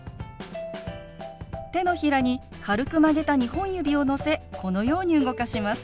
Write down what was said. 手のひらに軽く曲げた２本指をのせこのように動かします。